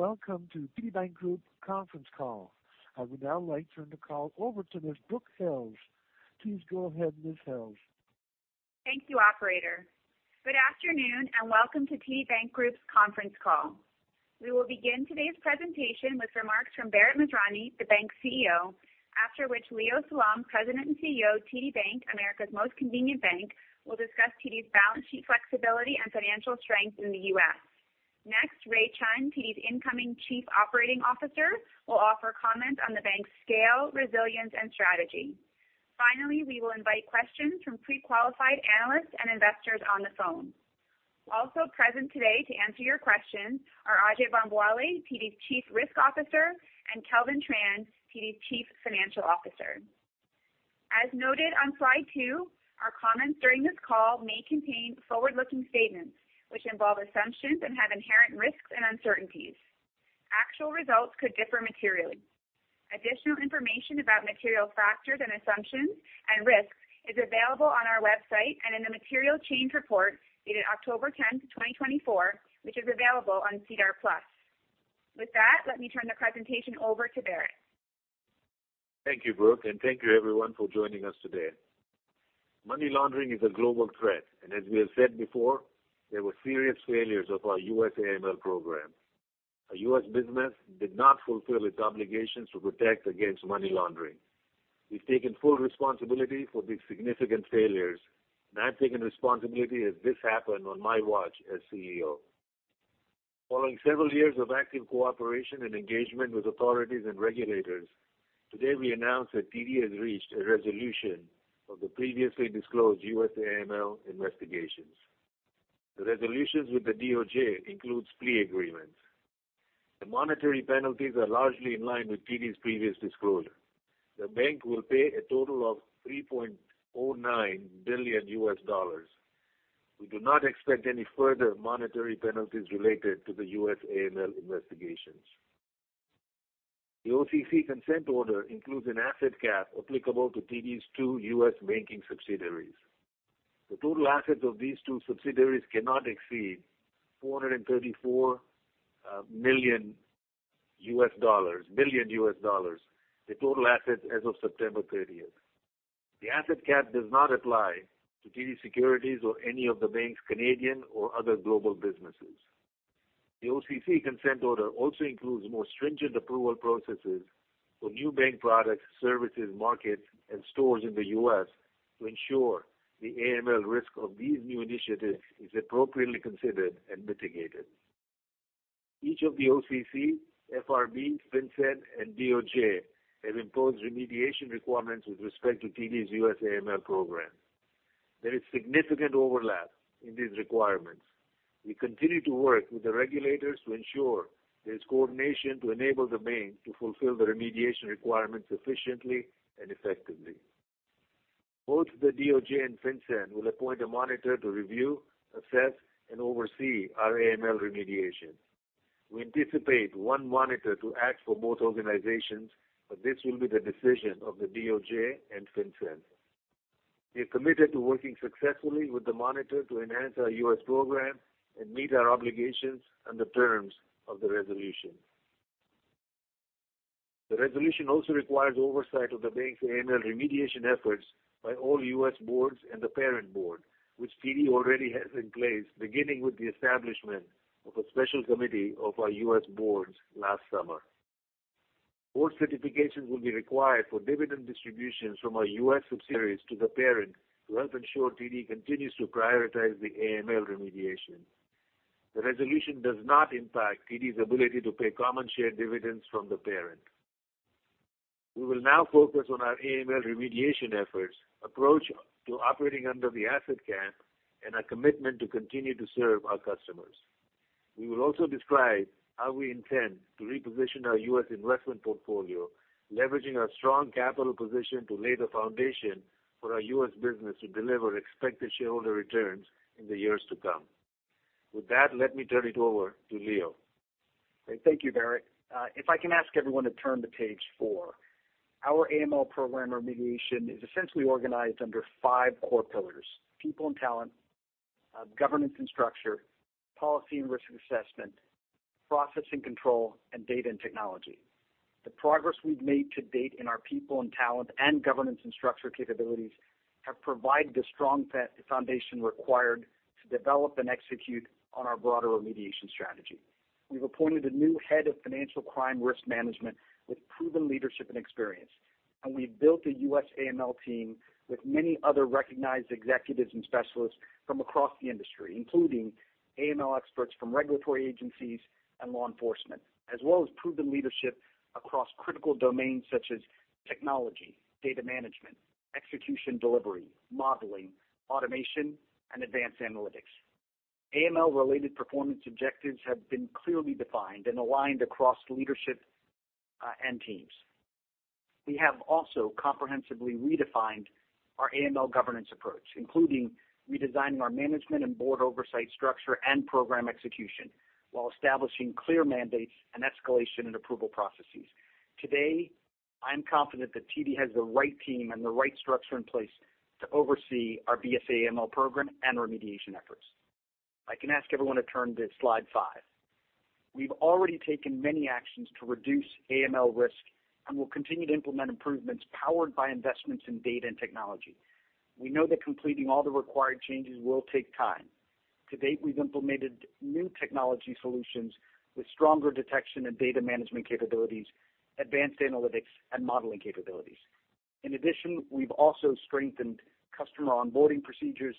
Welcome to TD Bank Group conference call. I would now like to turn the call over to Ms. Brooke Hales. Please go ahead, Ms. Hales. Thank you, operator. Good afternoon, and welcome to TD Bank Group's conference call. We will begin today's presentation with remarks from Bharat Masrani, the bank's CEO, after which Leo Salom, President and CEO, TD Bank, America's Most Convenient Bank, will discuss TD's balance sheet flexibility and financial strength in the U.S. Next, Ray Chun, TD's incoming Chief Operating Officer, will offer comments on the bank's scale, resilience, and strategy. Finally, we will invite questions from pre-qualified analysts and investors on the phone. Also present today to answer your questions are Ajai Bambawale, TD's Chief Risk Officer, and Kelvin Tran, TD's Chief Financial Officer. As noted on Slide 2, our comments during this call may contain forward-looking statements, which involve assumptions and have inherent risks and uncertainties. Actual results could differ materially. Additional information about material factors and assumptions and risks is available on our website and in the material change report dated October 10th, 2024, which is available on SEDAR+. With that, let me turn the presentation over to Bharat. Thank you, Brooke, and thank you everyone for joining us today. Money laundering is a global threat, and as we have said before, there were serious failures of our U.S. AML program. Our U.S. business did not fulfill its obligations to protect against money laundering. We've taken full responsibility for these significant failures, and I've taken responsibility as this happened on my watch as CEO. Following several years of active cooperation and engagement with authorities and regulators, today we announce that TD has reached a resolution of the previously disclosed U.S. AML investigations. The resolutions with the DOJ includes plea agreements. The monetary penalties are largely in line with TD's previous disclosure. The bank will pay a total of $3.09 billion. We do not expect any further monetary penalties related to the U.S. AML investigations. The OCC consent order includes an asset cap applicable to TD's two U.S. banking subsidiaries. The total assets of these two subsidiaries cannot exceed $434 billion, the total assets as of September thirtieth. The asset cap does not apply to TD Securities or any of the bank's Canadian or other global businesses. The OCC consent order also includes more stringent approval processes for new bank products, services, markets, and stores in the U.S. to ensure the AML risk of these new initiatives is appropriately considered and mitigated. Each of the OCC, FRB, FinCEN, and DOJ have imposed remediation requirements with respect to TD's U.S. AML program. There is significant overlap in these requirements. We continue to work with the regulators to ensure there's coordination to enable the bank to fulfill the remediation requirements efficiently and effectively. Both the DOJ and FinCEN will appoint a monitor to review, assess, and oversee our AML remediation. We anticipate one monitor to act for both organizations, but this will be the decision of the DOJ and FinCEN. We are committed to working successfully with the monitor to enhance our U.S. program and meet our obligations and the terms of the resolution. The resolution also requires oversight of the bank's AML remediation efforts by all U.S. boards and the parent board, which TD already has in place, beginning with the establishment of a special committee of our U.S. boards last summer. Board certifications will be required for dividend distributions from our U.S. subsidiaries to the parent to help ensure TD continues to prioritize the AML remediation. The resolution does not impact TD's ability to pay common share dividends from the parent. We will now focus on our AML remediation efforts, approach to operating under the asset cap, and our commitment to continue to serve our customers. We will also describe how we intend to reposition our U.S. investment portfolio, leveraging our strong capital position to lay the foundation for our U.S. business to deliver expected shareholder returns in the years to come. With that, let me turn it over to Leo. Thank you, Bharat. If I can ask everyone to turn to page four. Our AML program remediation is essentially organized under five core pillars: people and talent, governance and structure, policy and risk assessment, processing control, and data and technology. The progress we've made to date in our people and talent and governance and structure capabilities have provided the strong foundation required to develop and execute on our broader remediation strategy. We've appointed a new head of financial crime risk management with proven leadership and experience, and we've built a U.S. AML team with many other recognized executives and specialists from across the industry, including AML experts from regulatory agencies and law enforcement, as well as proven leadership across critical domains such as technology, data management, execution delivery, modeling, automation, and advanced analytics. AML-related performance objectives have been clearly defined and aligned across leadership and teams. We have also comprehensively redefined our AML governance approach, including redesigning our management and board oversight structure and program execution, while establishing clear mandates and escalation and approval processes. Today, I am confident that TD has the right team and the right structure in place to oversee our BSA/AML program and remediation efforts. If I can ask everyone to turn to Slide 5. We've already taken many actions to reduce AML risk, and we'll continue to implement improvements powered by investments in data and technology. We know that completing all the required changes will take time. To date, we've implemented new technology solutions with stronger detection and data management capabilities, advanced analytics, and modeling capabilities. In addition, we've also strengthened customer onboarding procedures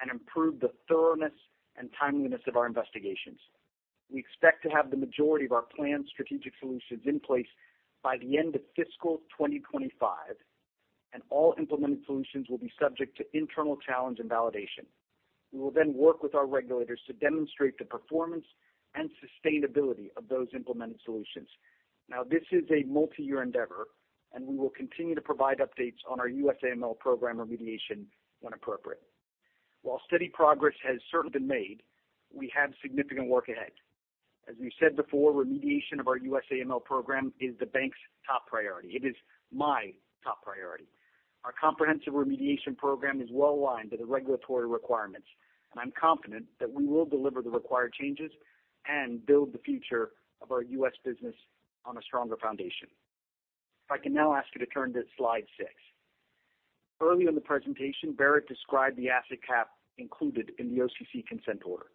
and improved the thoroughness and timeliness of our investigations. We expect to have the majority of our planned strategic solutions in place by the end of fiscal 2025, and all implemented solutions will be subject to internal challenge and validation. We will then work with our regulators to demonstrate the performance and sustainability of those implemented solutions. Now, this is a multi-year endeavor, and we will continue to provide updates on our U.S. AML program remediation when appropriate. While steady progress has certainly been made, we have significant work ahead. As we said before, remediation of our U.S. AML program is the bank's top priority. It is my top priority. Our comprehensive remediation program is well aligned to the regulatory requirements, and I'm confident that we will deliver the required changes and build the future of our U.S. business on a stronger foundation. If I can now ask you to turn to slide six. Early in the presentation, Bharat described the asset cap included in the OCC consent order.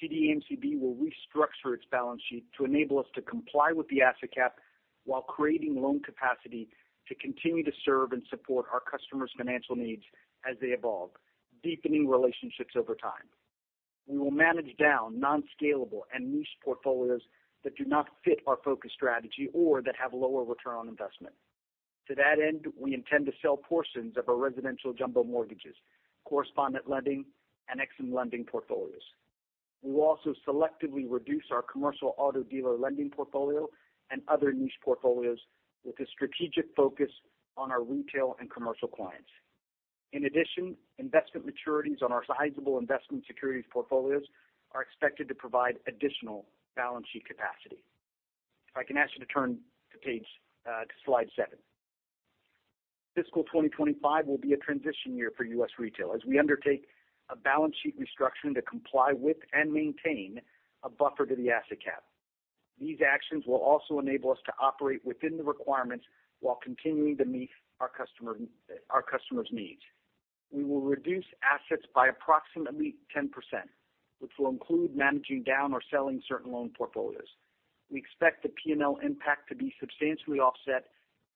TD AMCB will restructure its balance sheet to enable us to comply with the asset cap while creating loan capacity to continue to serve and support our customers' financial needs as they evolve, deepening relationships over time. We will manage down nonscalable and niche portfolios that do not fit our focus strategy or that have lower return on investment. To that end, we intend to sell portions of our residential jumbo mortgages, correspondent lending, and EXIM lending portfolios. We will also selectively reduce our commercial auto dealer lending portfolio and other niche portfolios with a strategic focus on our retail and commercial clients. In addition, investment maturities on our sizable investment securities portfolios are expected to provide additional balance sheet capacity. If I can ask you to turn to page to Slide 7. Fiscal 2025 will be a transition year for U.S. Retail as we undertake a balance sheet restructure to comply with and maintain a buffer to the asset cap. These actions will also enable us to operate within the requirements while continuing to meet our customer, our customers' needs. We will reduce assets by approximately 10%, which will include managing down or selling certain loan portfolios. We expect the P&L impact to be substantially offset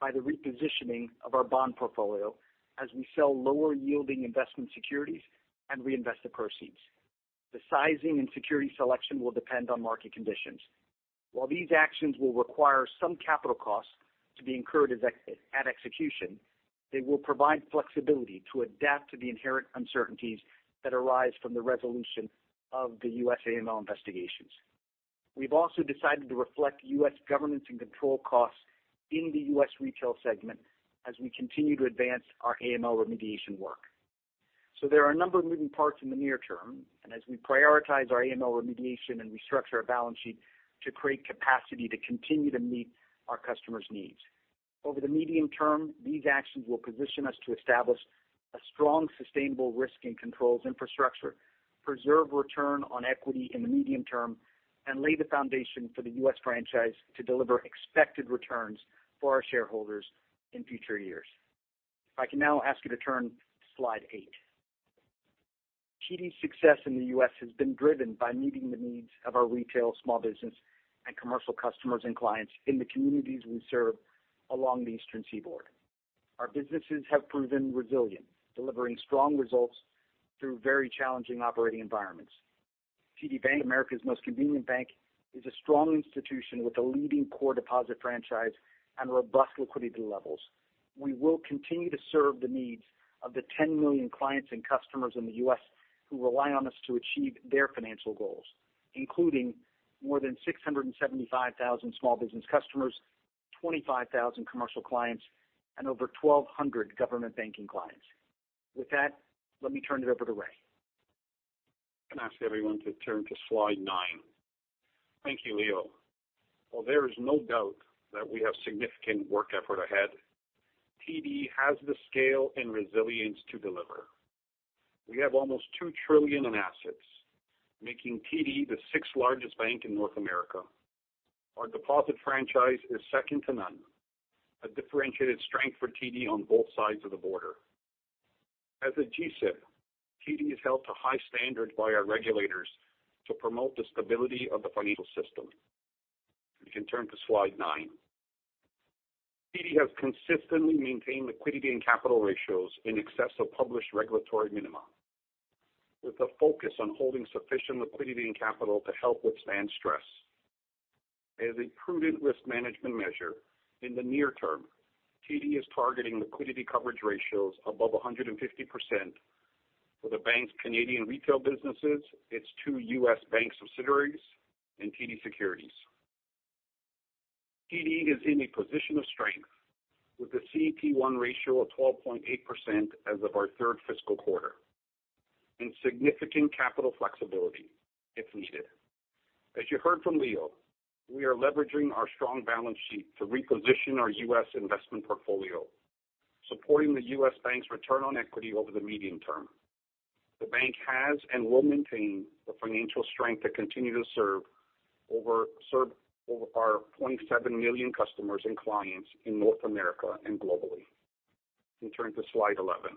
by the repositioning of our bond portfolio as we sell lower-yielding investment securities and reinvest the proceeds. The sizing and security selection will depend on market conditions. While these actions will require some capital costs to be incurred at execution, they will provide flexibility to adapt to the inherent uncertainties that arise from the resolution of the U.S. AML investigations. We've also decided to reflect U.S. governance and control costs in the U.S. retail segment as we continue to advance our AML remediation work. So there are a number of moving parts in the near term, and as we prioritize our AML remediation and restructure our balance sheet to create capacity to continue to meet our customers' needs. Over the medium term, these actions will position us to establish a strong, sustainable risk and controls infrastructure, preserve return on equity in the medium term, and lay the foundation for the U.S. franchise to deliver expected returns for our shareholders in future years. If I can now ask you to turn to Slide 8. TD's success in the U.S. has been driven by meeting the needs of our retail, small business, and commercial customers and clients in the communities we serve along the Eastern Seaboard. Our businesses have proven resilient, delivering strong results through very challenging operating environments. TD Bank, America's Most Convenient Bank, is a strong institution with a leading core deposit franchise and robust liquidity levels. We will continue to serve the needs of the ten million clients and customers in the U.S. who rely on us to achieve their financial goals, including more than six hundred and seventy-five thousand small business customers, twenty-five thousand commercial clients, and over twelve hundred government banking clients. With that, let me turn it over to Ray. I can ask everyone to turn to Slide 9. Thank you, Leo. While there is no doubt that we have significant work effort ahead, TD has the scale and resilience to deliver. We have almost two trillion in assets, making TD the sixth-largest bank in North America. Our deposit franchise is second to none, a differentiated strength for TD on both sides of the border. As a G-SIB, TD is held to high standards by our regulators to promote the stability of the financial system. You can turn to Slide 9. TD has consistently maintained liquidity and capital ratios in excess of published regulatory minimum, with a focus on holding sufficient liquidity and capital to help withstand stress. As a prudent risk management measure in the near term, TD is targeting liquidity coverage ratios above 100% for the bank's Canadian retail businesses, its two U.S. bank subsidiaries, and TD Securities. TD is in a position of strength with a CET1 ratio of 12.8% as of our third fiscal quarter, and significant capital flexibility if needed. As you heard from Leo, we are leveraging our strong balance sheet to reposition our U.S. investment portfolio, supporting the U.S. Bank's return on equity over the medium term. The bank has and will maintain the financial strength to continue to serve over our 27 million customers and clients in North America and globally. We turn to Slide 11.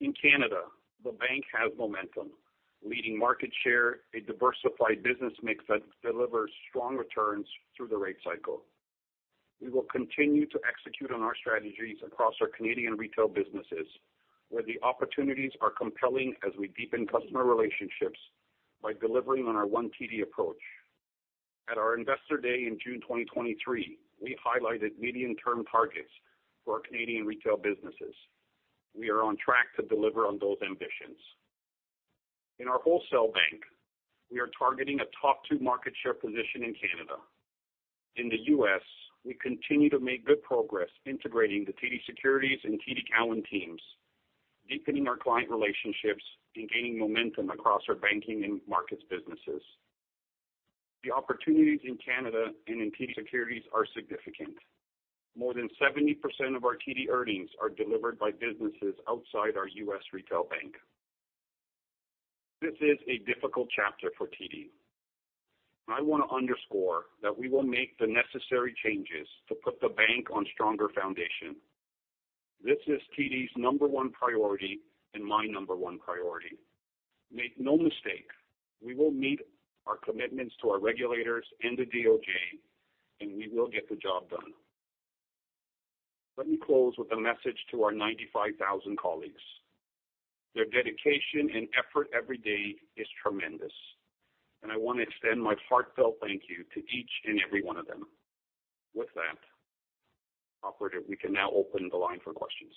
In Canada, the bank has momentum, leading market share, a diversified business mix that delivers strong returns through the rate cycle. We will continue to execute on our strategies across our Canadian retail businesses, where the opportunities are compelling as we deepen customer relationships by delivering on our One TD approach. At our Investor Day in June twenty twenty-three, we highlighted medium-term targets for our Canadian retail businesses. We are on track to deliver on those ambitions. In our wholesale bank, we are targeting a top two market share position in Canada. In the U.S., we continue to make good progress integrating the TD Securities and TD Cowen teams, deepening our client relationships and gaining momentum across our banking and markets businesses. The opportunities in Canada and in TD Securities are significant. More than 70% of our TD earnings are delivered by businesses outside our U.S. retail bank. This is a difficult chapter for TD. I want to underscore that we will make the necessary changes to put the bank on stronger foundation. This is TD's number one priority and my number one priority. Make no mistake, we will meet our commitments to our regulators and the DOJ, and we will get the job done. Let me close with a message to our ninety-five thousand colleagues. Their dedication and effort every day is tremendous, and I want to extend my heartfelt thank you to each and every one of them. With that, operator, we can now open the line for questions.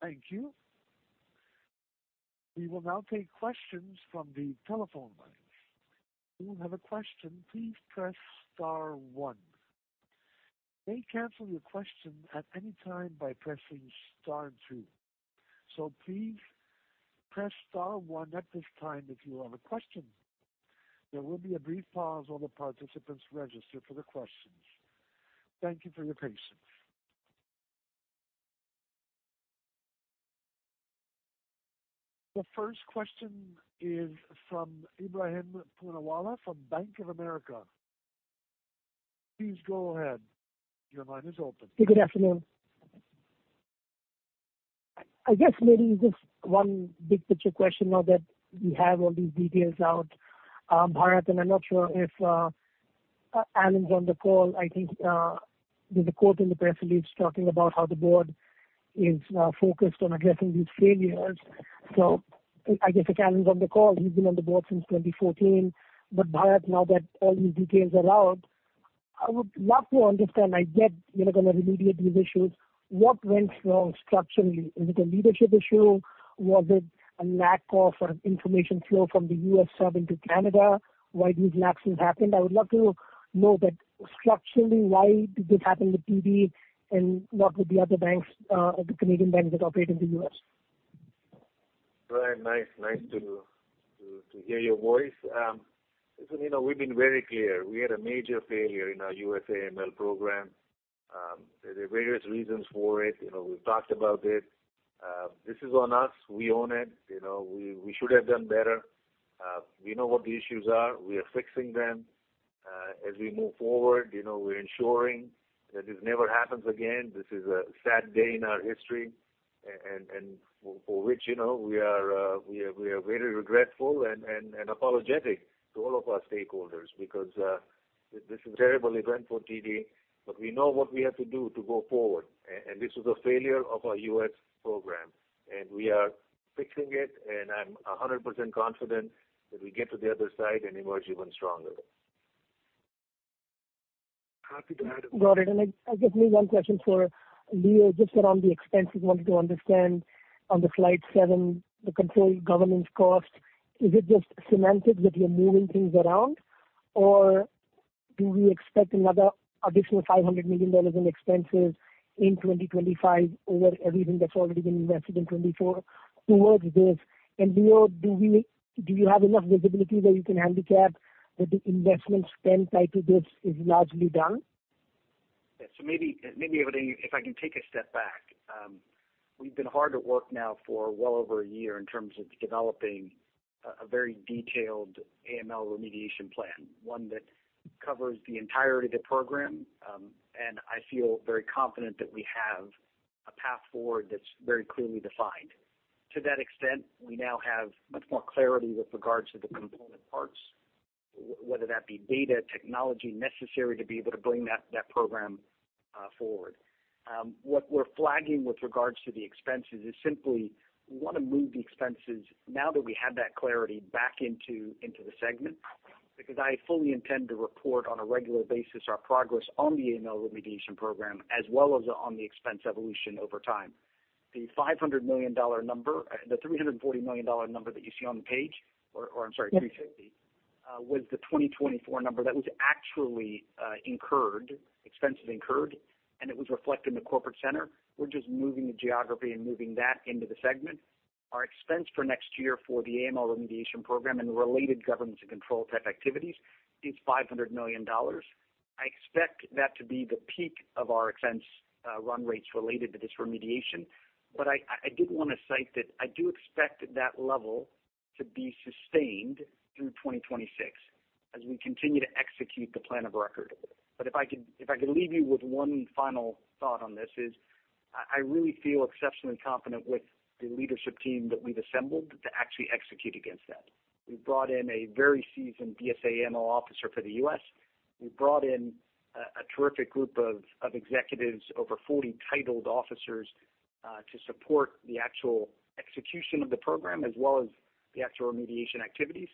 Thank you. We will now take questions from the telephone lines. If you have a question, please press star one. You may cancel your question at any time by pressing star two. So please press star one at this time if you have a question. There will be a brief pause while the participants register for the questions. Thank you for your patience. The first question is from Ebrahim Poonawala from Bank of America Securities. Please go ahead. Your line is open. Good afternoon. I guess maybe just one big picture question now that we have all these details out, Bharat, and I'm not sure if Alan's on the call. I think there's a quote in the press release talking about how the board is focused on addressing these failures. So I guess if Alan's on the call, he's been on the board since 2014. But Bharat, now that all these details are out, I would love to understand. I get you're going to remediate these issues. What went wrong structurally? Is it a leadership issue? Was it a lack of information flow from the U.S. side into Canada? Why these lapses happened? I would love to know that structurally, why did this happen with TD and what with the other banks, the Canadian banks that operate in the U.S.? Right. Nice to hear your voice. So, you know, we've been very clear. We had a major failure in our U.S. AML program. There are various reasons for it. You know, we've talked about it. This is on us. We own it. You know, we should have done better. We know what the issues are. We are fixing them. As we move forward, you know, we're ensuring that this never happens again. This is a sad day in our history and for which, you know, we are very regretful and apologetic to all of our stakeholders because this is a terrible event for TD, but we know what we have to do to go forward. And this was a failure of our U.S. program, and we are fixing it, and I'm 100% confident that we get to the other side and emerge even stronger. Happy to add- Got it. And just maybe one question for Leo, just around the expenses. Wanted to understand on the Slide 7, the control governance cost. Is it just semantics that you're moving things around, or do we expect another additional $500 million in expenses in 2025 over everything that's already been invested in 2024 towards this? And Leo, do you have enough visibility that you can handicap that the investment spend tied to this is largely done? Yeah. So maybe if I can take a step back. We've been hard at work now for well over a year in terms of developing a very detailed AML remediation plan, one that covers the entirety of the program, and I feel very confident that we have a path forward that's very clearly defined. To that extent, we now have much more clarity with regards to the component parts, whether that be data, technology necessary to be able to bring that program forward. What we're flagging with regards to the expenses is simply, we want to move the expenses now that we have that clarity back into the segment, because I fully intend to report on a regular basis our progress on the AML remediation program, as well as on the expense evolution over time. The $500 million number, the $340 million number that you see on the page, or, I'm sorry, $350- was the 2024 number that was actually incurred, expenses incurred, and it was reflected in the corporate center. We're just moving the geography and moving that into the segment. Our expense for next year for the AML remediation program and the related governance and control type activities is $500 million. I expect that to be the peak of our expense run rates related to this remediation. But I did wanna cite that I do expect that level to be sustained through 2026 as we continue to execute the plan of record. But if I could leave you with one final thought on this is, I really feel exceptionally confident with the leadership team that we've assembled to actually execute against that. We've brought in a very seasoned BSA/AML officer for the U.S. We've brought in a terrific group of executives to support the actual execution of the program as well as the actual remediation activities.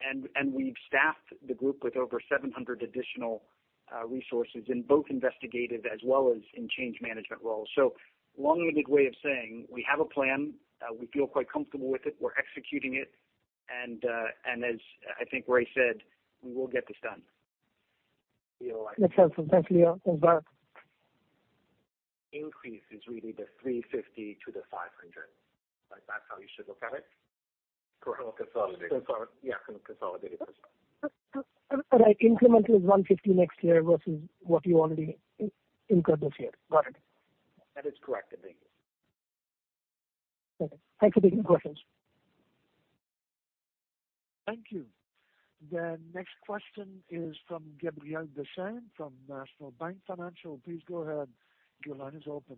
And we've staffed the group with over 700 additional resources in both investigative as well as in change management roles. So long-winded way of saying we have a plan, we feel quite comfortable with it, we're executing it, and as I think Ray said, we will get this done. That's helpful. Thanks, Leo. And back. Increase is really the 350 to the 500, like, that's how you should look at it? Correct. Consolidated. Yeah, from a consolidated perspective. Right. Implement is 150 next year versus what you already incurred this year. Got it. That is correct. Thank you. Okay, thanks for taking the questions. Thank you. The next question is from Gabriel Dechaine, from National Bank Financial. Please go ahead. Your line is open.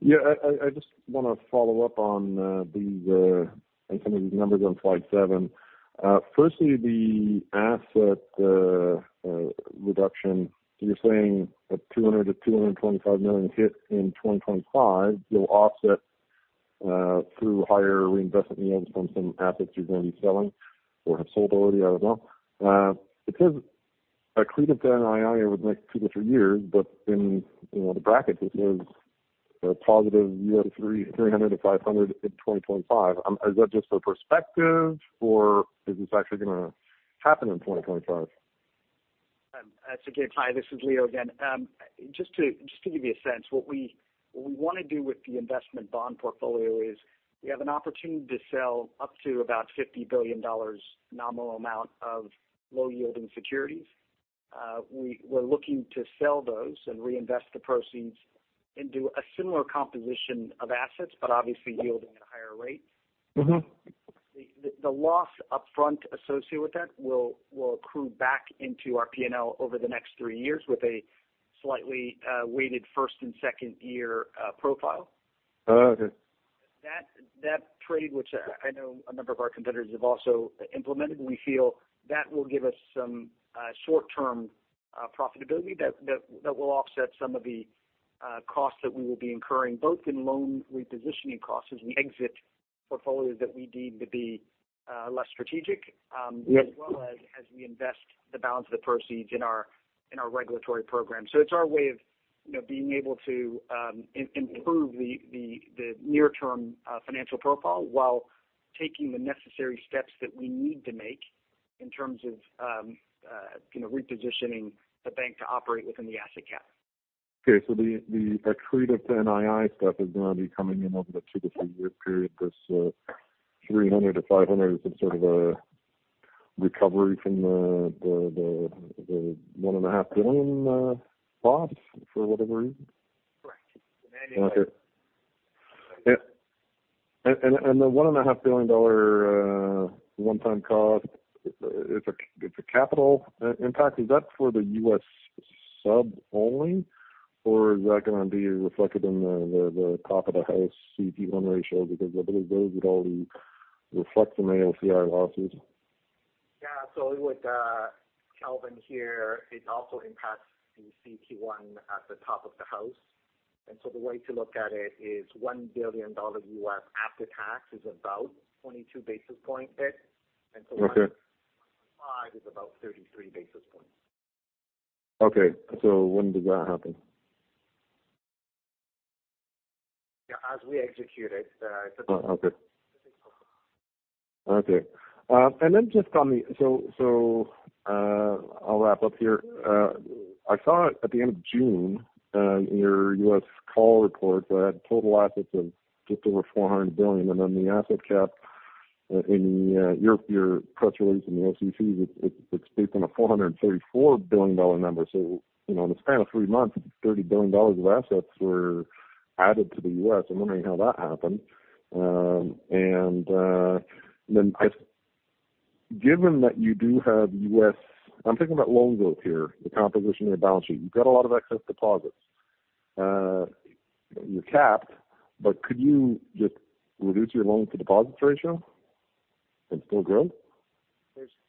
Yeah, I just want to follow up on the numbers on Slide 7. Firstly, the asset reduction. You're saying a $200 million-$225 million hit in 2025, you'll offset through higher reinvestment yields from some assets you're gonna be selling or have sold already, I don't know. It says accreted to NII over the next two to three years, but in, you know, the brackets it says a positive year three, $300 million-$500 million in 2025. Is that just for perspective or is this actually gonna happen in 2025? Gabe, hi, this is Leo again. Just to give you a sense, what we wanna do with the investment bond portfolio is we have an opportunity to sell up to about $50 billion nominal amount of low yielding securities. We're looking to sell those and reinvest the proceeds into a similar composition of assets, but obviously yielding at a higher rate. Mm-hmm. The loss upfront associated with that will accrue back into our P&L over the next three years with a slightly weighted first and second year profile. Oh, okay. That trade, which I know a number of our competitors have also implemented, we feel that will give us some short-term profitability that will offset some of the costs that we will be incurring, both in loan repositioning costs as we exit portfolios that we deem to be less strategic. Yep. As well as, as we invest the balance of the proceeds in our regulatory program. So it's our way of, you know, being able to improve the near-term financial profile while taking the necessary steps that we need to make in terms of, you know, repositioning the bank to operate within the asset cap. Okay, so the accretive to NII stuff is gonna be coming in over the two to three-year period. This 300 to 500 is some sort of a recovery from the 1.5 billion loss for whatever reason? Correct. Okay. And the $1.5 billion one-time cost, it's a capital impact. Is that for the U.S. sub only, or is that gonna be reflected in the top of the house CET1 ratio, because I believe those would all reflect the AML losses? Yeah. So it would, Kelvin here. It also impacts the CET1 at the top of the house. And so the way to look at it is $1 billion after tax is about 22 basis points hit. Okay. And so is about 33 basis points. Okay, so when does that happen? Yeah, as we execute it, Oh, okay. Okay. And then just on the. So, I'll wrap up here. I saw at the end of June in your U.S. call report that had total assets of just over $400 billion, and then the asset cap in your press release in the OCC, it's based on a $434 billion number. So, you know, in the span of three months, $30 billion of assets were added to the U.S. I'm wondering how that happened. And then, given that you do have U.S., I'm thinking about loan growth here, the composition of your balance sheet. You've got a lot of excess deposits. You're capped, but could you just reduce your loan to deposits ratio and still grow?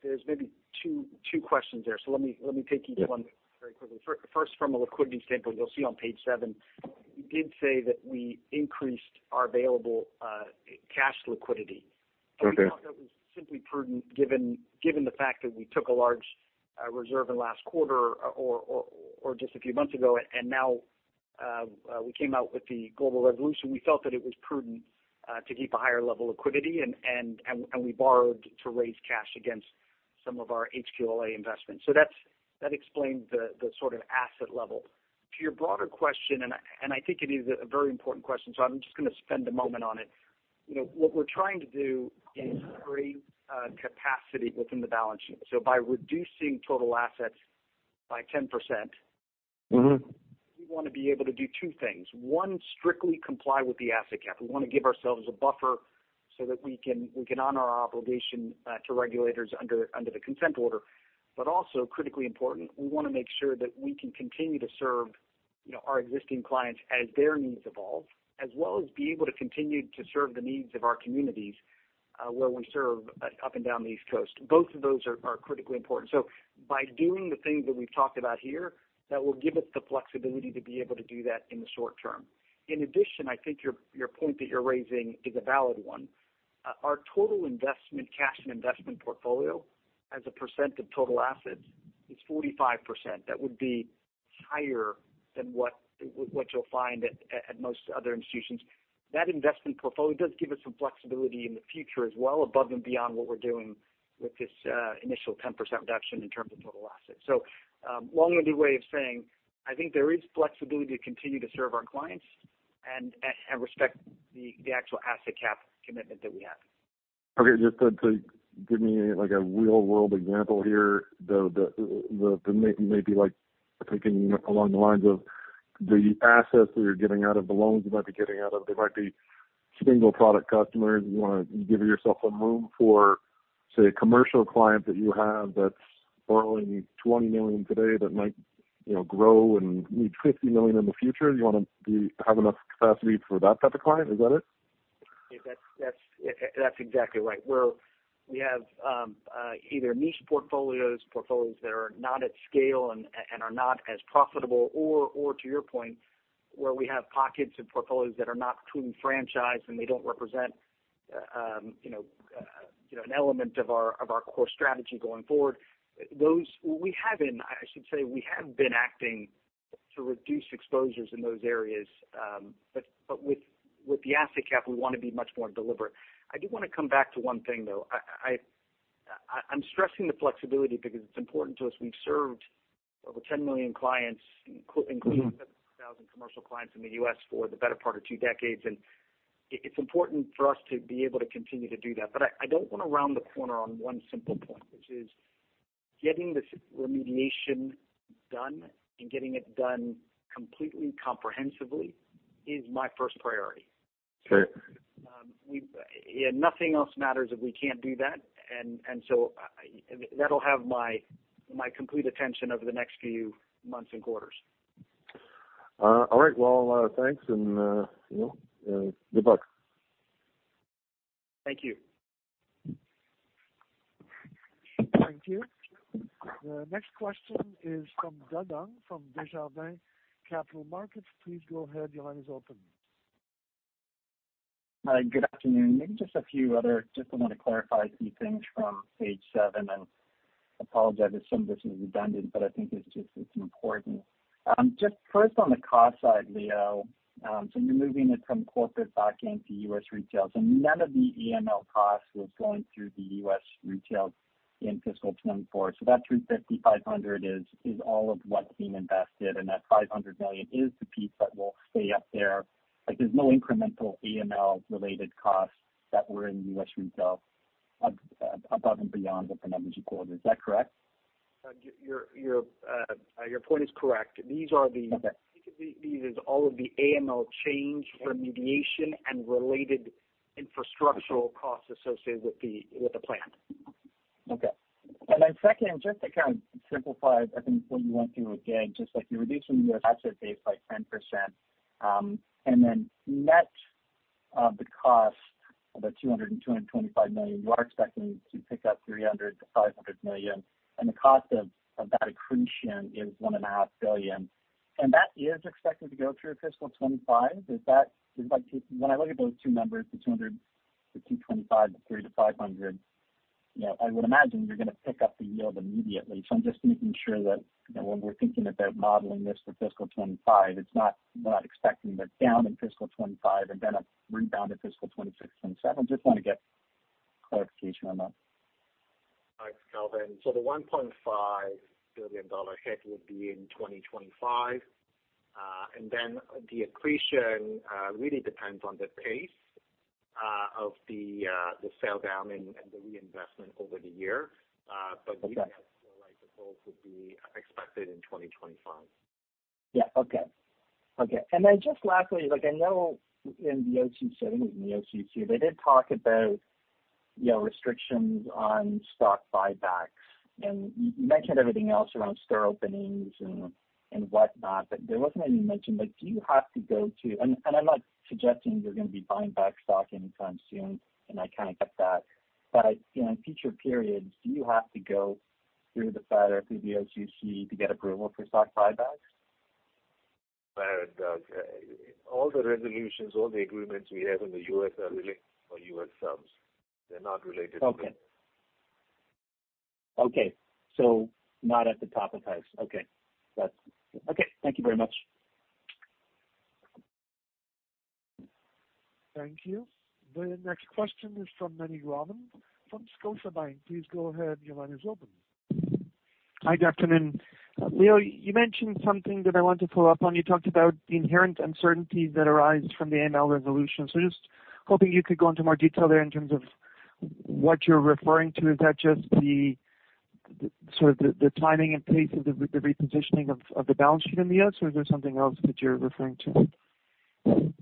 There's maybe two questions there, so let me take each one- Yeah. Very quickly. First, from a liquidity standpoint, you'll see on page seven, we did say that we increased our available cash liquidity. Okay. We thought that was simply prudent, given the fact that we took a large reserve in last quarter or just a few months ago, and now we came out with the global resolution, we felt that it was prudent to keep a higher level of liquidity, and we borrowed to raise cash against some of our HQLA investments. So that explains the sort of asset level. To your broader question, and I think it is a very important question, so I'm just gonna spend a moment on it. You know, what we're trying to do is create capacity within the balance sheet. So by reducing total assets by 10%- Mm-hmm. We want to be able to do two things. One, strictly comply with the Asset Cap. We want to give ourselves a buffer so that we can honor our obligation to regulators under the Consent Order. But also, critically important, we want to make sure that we can continue to serve, you know, our existing clients as their needs evolve, as well as be able to continue to serve the needs of our communities, where we serve up and down the East Coast. Both of those are critically important. So by doing the things that we've talked about here, that will give us the flexibility to be able to do that in the short term. In addition, I think your point that you're raising is a valid one. Our total investment, cash and investment portfolio as a percent of total assets is 45%. That would be higher than what you'll find at most other institutions. That investment portfolio does give us some flexibility in the future as well, above and beyond what we're doing with this initial 10% reduction in terms of total assets. So, long-winded way of saying I think there is flexibility to continue to serve our clients and respect the actual Asset Cap commitment that we have. Okay, just to give me like a real-world example here, maybe like thinking along the lines of the assets that you're getting out of, the loans you might be getting out of, they might be single product customers. You wanna give yourself some room for, say, a commercial client that you have that's borrowing $20 million today that might, you know, grow and need $50 million in the future. You wanna have enough capacity for that type of client. Is that it? That's exactly right. Where we have either niche portfolios, portfolios that are not at scale and are not as profitable, or to your point, where we have pockets and portfolios that are not truly franchised, and they don't represent you know an element of our core strategy going forward. Those, we have been, I should say, we have been acting to reduce exposures in those areas, but with the asset cap, we want to be much more deliberate. I do want to come back to one thing, though. I'm stressing the flexibility because it's important to us. We've served over 10 million clients, including- Mm-hmm seven hundred thousand commercial clients in the U.S. for the better part of two decades, and it- it's important for us to be able to continue to do that. But I, I don't want to round the corner on one simple point, which is getting this remediation done and getting it done completely, comprehensively is my first priority. Sure. We and nothing else matters if we can't do that, and so I that'll have my complete attention over the next few months and quarters. All right, well, thanks, and, you know, good luck. Thank you. Thank you. The next question is from Doug Young, from Desjardins Capital Markets. Please go ahead. Your line is open. Hi, good afternoon. Maybe just a few other... Just I want to clarify a few things from page seven, and apologize if some of this is redundant, but I think it's just, it's important. Just first on the cost side, Leo, so you're moving it from corporate banking to U.S. Retail. So none of the AML costs was going through the U.S. Retail in fiscal 2024. So that $250 million, $500 million is all of what's being invested, and that $500 million is the peak that will stay up there. Like, there's no incremental AML-related costs that were in U.S. Retail above and beyond what the numbers you quoted. Is that correct? Your point is correct. These are the- Okay. This is all of the AML change remediation and related infrastructural costs associated with the plan. Okay. And then secondly, just to kind of simplify, I think, what you went through again, just like you're reducing your asset base by 10%, and then net, the cost of the $200-$225 million, you are expecting to pick up $300-$500 million, and the cost of, of that accretion is $1.5 billion. And that is expected to go through fiscal 2025? Is that... Because, like, when I look at those two numbers, the $200-$225, the $300-$500, you know, I would imagine you're going to pick up the yield immediately. So I'm just making sure that, you know, when we're thinking about modeling this for fiscal 2025, it's not, we're not expecting it down in fiscal 2025 and then a rebound in fiscal 2026, 2027. Just want to get clarification on that. Thanks, Kelvin. So the $1.5 billion hit would be in 2025, and then the accretion really depends on the pace of the sell-down and the reinvestment over the year. But- Okay. We feel like the goals would be expected in twenty twenty-five. Yeah. Okay. Okay, and then just lastly, like I know in the OCC they did talk about, you know, restrictions on stock buybacks, and you mentioned everything else around store openings and whatnot, but there wasn't any mention. Like, do you have to go to -- and I'm not suggesting you're going to be buying back stock anytime soon, and I kind of get that. But in future periods, do you have to go through the Fed or through the OCC to get approval for stock buybacks? Okay. All the resolutions, all the agreements we have in the U.S. are really for U.S. firms. They're not related to- Okay. Okay, so not at the top of house. Okay, that's. Okay. Thank you very much. Thank you. The next question is from Meny Grauman from Scotiabank. Please go ahead. Your line is open. Hi, good afternoon. Leo, you mentioned something that I want to follow up on. You talked about the inherent uncertainties that arise from the AML resolution. So just hoping you could go into more detail there in terms of what you're referring to. Is that just the sort of timing and pace of the repositioning of the balance sheet in the U.S., or is there something else that you're referring to?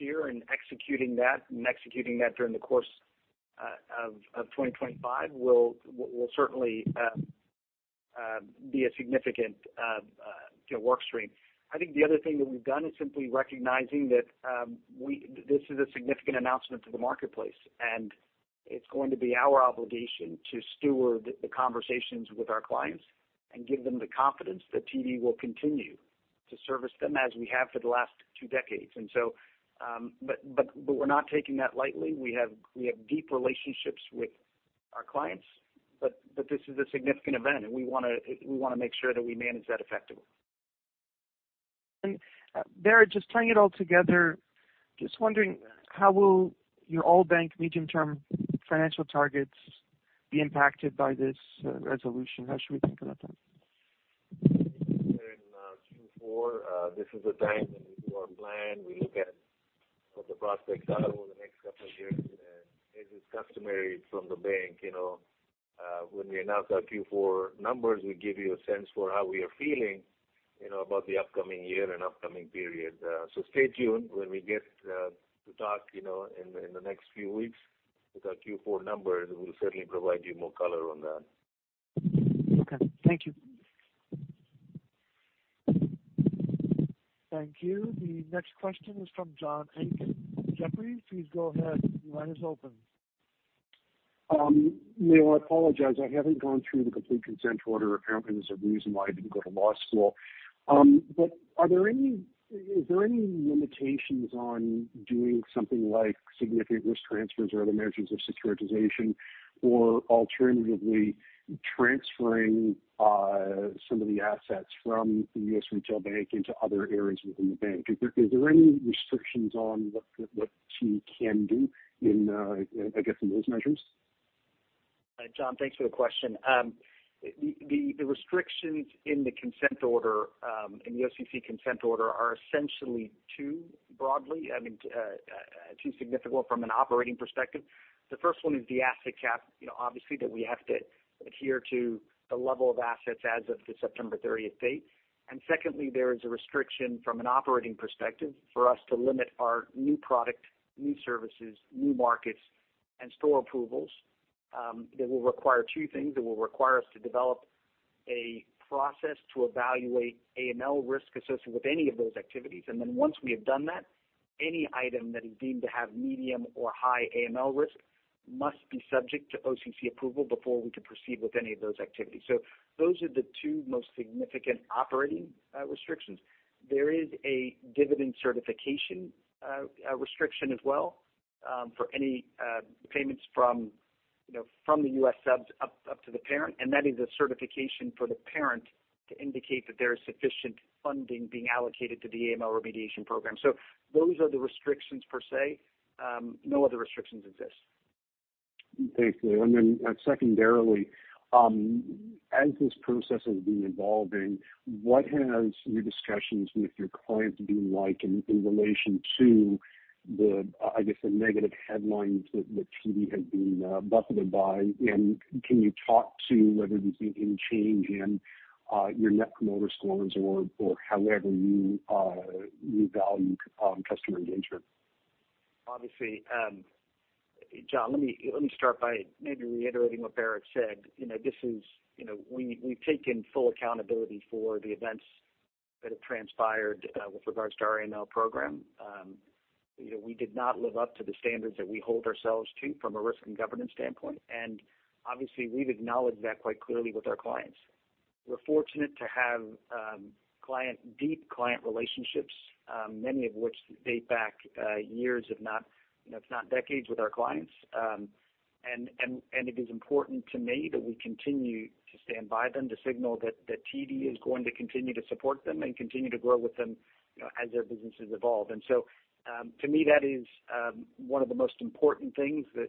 On page seven, a lot of moving parts here, and executing that during the course of 2025 will certainly be a significant, you know, work stream. I think the other thing that we've done is simply recognizing that this is a significant announcement to the marketplace, and it's going to be our obligation to steward the conversations with our clients and give them the confidence that TD will continue to service them as we have for the last two decades. And so, but we're not taking that lightly. We have deep relationships with our clients, but this is a significant event, and we want to make sure that we manage that effectively. Bharat, just tying it all together, just wondering, how will your whole bank medium-term financial targets be impacted by this resolution? How should we think about that? In Q4, this is the time when we do our plan. We look at what the prospects are over the next couple of years, and as is customary from the bank, you know, when we announce our Q4 numbers, we give you a sense for how we are feeling, you know, about the upcoming year and upcoming period, so stay tuned when we get to talk, you know, in the next few weeks with our Q4 numbers, we'll certainly provide you more color on that. Okay. Thank you. Thank you. The next question is from John Aiken, Jefferies. Please go ahead. Your line is open. Leo, I apologize. I haven't gone through the complete Consent Order. Apparently, there's a reason why I didn't go to law school, but is there any limitations on doing something like significant risk transfers or other measures of securitization, or alternatively, transferring some of the assets from the U.S. Retail Bank into other areas within the bank? Is there any restrictions on what TD can do in, I guess, in those measures? John, thanks for the question. The restrictions in the consent order, in the OCC consent order are essentially two, broadly, I mean, two significant from an operating perspective. The first one is the asset cap, you know, obviously, that we have to adhere to the level of assets as of the September thirtieth date. And secondly, there is a restriction from an operating perspective for us to limit our new product, new services, new markets, and store approvals. That will require two things. It will require us to develop a process to evaluate AML risk associated with any of those activities. And then once we have done that, any item that is deemed to have medium or high AML risk must be subject to OCC approval before we can proceed with any of those activities. So those are the two most significant operating restrictions. There is a dividend certification restriction as well for any payments from, you know, from the U.S. subs up to the parent, and that is a certification for the parent to indicate that there is sufficient funding being allocated to the AML remediation program. So those are the restrictions per se. No other restrictions exist. Thanks, Leo. And then secondarily, as this process has been evolving, what has your discussions with your clients been like in relation to the, I guess, the negative headlines that TD has been buffeted by? And can you talk to whether there's been any change in your net promoter scores or however you value customer engagement? Obviously, John, let me start by maybe reiterating what Bharat said. You know, this is you know, we've taken full accountability for the events that have transpired with regards to our AML program. You know, we did not live up to the standards that we hold ourselves to from a risk and governance standpoint, and obviously, we've acknowledged that quite clearly with our clients. We're fortunate to have deep client relationships, many of which date back years, if not, you know, if not decades, with our clients. And it is important to me that we continue to stand by them to signal that TD is going to continue to support them and continue to grow with them, you know, as their businesses evolve. To me, that is one of the most important things that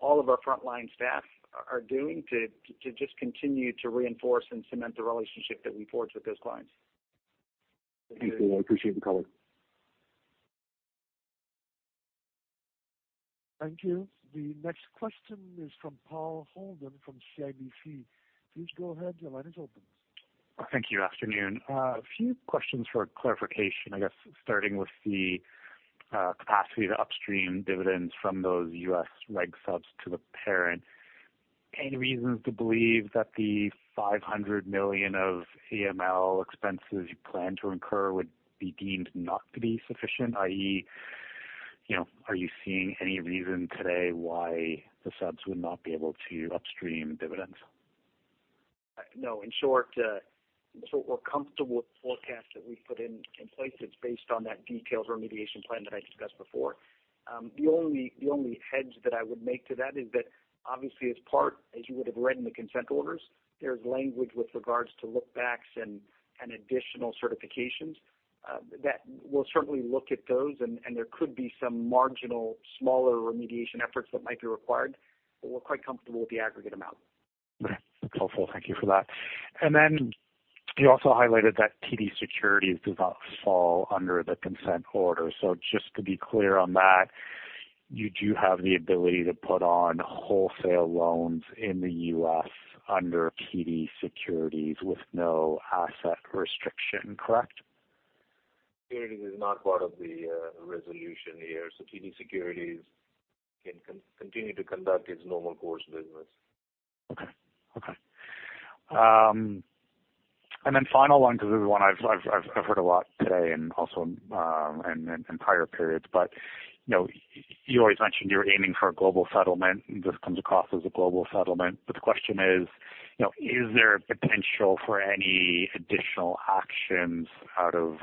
all of our frontline staff are doing to just continue to reinforce and cement the relationship that we forge with those clients. Thank you. I appreciate the color. Thank you. The next question is from Paul Holden from CIBC. Please go ahead. Your line is open. Thank you. Afternoon. A few questions for clarification, I guess, starting with the capacity to upstream dividends from those U.S. reg subs to the parent. Any reasons to believe that the $500 million of AML expenses you plan to incur would be deemed not to be sufficient? i.e., you know, are you seeing any reason today why the subs would not be able to upstream dividends? No, in short, so we're comfortable with the forecast that we've put in place. It's based on that detailed remediation plan that I discussed before. The only hedge that I would make to that is that obviously as part, as you would have read in the consent orders, there's language with regards to look backs and additional certifications that we'll certainly look at those, and there could be some marginal, smaller remediation efforts that might be required, but we're quite comfortable with the aggregate amount. Okay. That's helpful. Thank you for that. And then you also highlighted that TD Securities does not fall under the consent order. So just to be clear on that, you do have the ability to put on wholesale loans in the U.S. under TD Securities with no asset restriction, correct? Securities is not part of the resolution here, so TD Securities can continue to conduct its normal course business. Okay, okay. And then final one, because this is one I've heard a lot today and also in prior periods, but you know, you always mentioned you're aiming for a global settlement, and this comes across as a global settlement. But the question is, you know, is there a potential for any additional actions out of